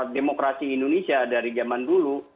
demokrasi indonesia dari zaman dulu